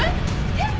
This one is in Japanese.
えっ？